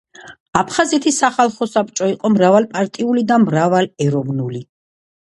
აფხაზეთის სახალხო საბჭო იყო მრავალპარტიული და მრავალეროვნული.